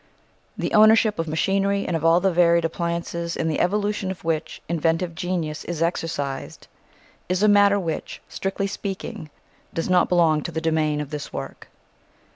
The ownership of machinery and of all the varied appliances in the evolution of which inventive genius is exercised is a matter which, strictly speaking, does not belong to the domain of this work.